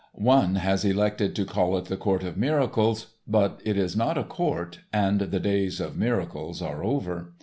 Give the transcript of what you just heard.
One has elected to call it the Court of Miracles, but it is not a court, and the days of miracles are over.